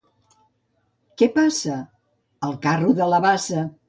—Què passa? —El carro de la bassa.